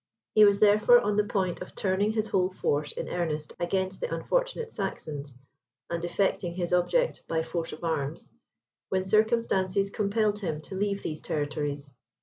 He was therefore on the point of turning his whole force in earnest against the unfortunate Saxons, and effecting his object by force of arms, when circumstances compelled him to leave these territories.